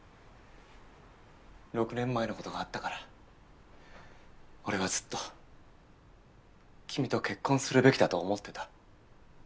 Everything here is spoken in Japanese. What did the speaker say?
６年前の事があったから俺はずっと君と結婚するべきだと思ってた。